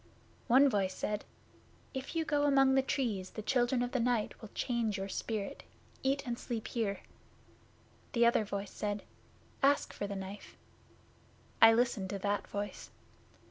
'One voice said, "If you go among the Trees, the Children of the Night will change your spirit. Eat and sleep here." The other voice said, "Ask for the Knife." I listened to that voice.